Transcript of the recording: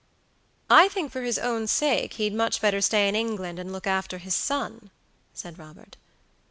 "I think for his own sake he'd much better stay in England and look after his son," said Robert.